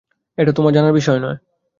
এটা তোমার জানার বিষয় না।